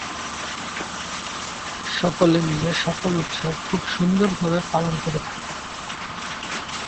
সকলে মিলে সকল উৎসব খুব সুন্দর ভাবে পালন করে থাকে।